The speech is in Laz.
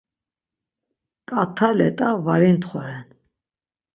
ǩat̆a let̆a var intxoren.